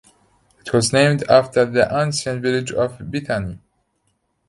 It was named after the ancient village of Bethany.